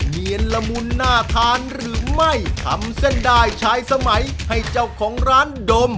เนียนละมุนน่าทานหรือไม่ทำเส้นได้ชายสมัยให้เจ้าของร้านดม